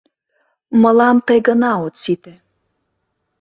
Мылам тый гына от сите.